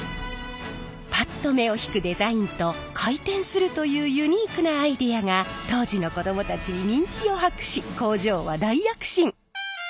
パッと目を引くデザインと回転するというユニークなアイデアが当時の子どもたちに人気を博し工場は大躍進！